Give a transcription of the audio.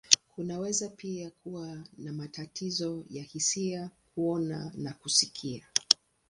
Kunaweza pia kuwa na matatizo ya hisia, kuona, na kusikia.